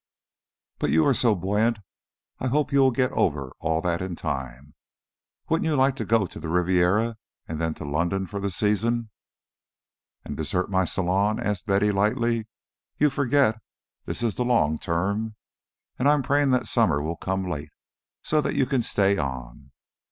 But you are so buoyant I hope you will get over all that in time. Wouldn't you like to go to the Riviera, and then to London for the season?" "And desert my salon?" asked Betty, lightly. "You forget this is the long term. I am praying that summer will come late, so that you can stay on.